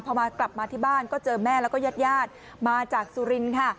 พอมากลับมาที่บ้านก็เจอแม่แล้วก็ญาติญาติมาจากสุรินทร์ค่ะ